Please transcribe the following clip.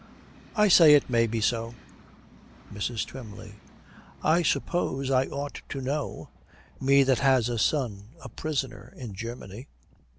'I say it may be so.' MRS. TWYMLEY. 'I suppose I ought to know: me that has a son a prisoner in Germany.'